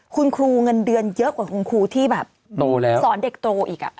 คุณครูเงินเดือนเยอะกว่าคุณครูที่แบบโตแล้วสอนเด็กโตอีก